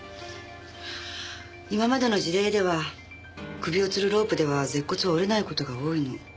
今までの事例では首を吊るロープでは舌骨は折れない事が多いの。